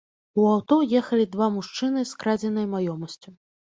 У аўто ехалі два мужчыны з крадзенай маёмасцю.